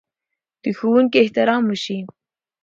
د ښوونکي احترام وشي.